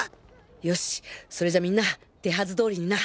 よしそれじゃみんな手はず通りにな。